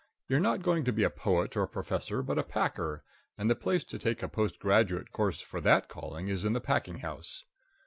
You're not going to be a poet or a professor, but a packer, and the place to take a post graduate course for that calling is in the packing house.